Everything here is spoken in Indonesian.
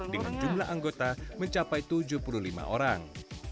dengan jumlah anggota mencapai tujuh puluh lima orang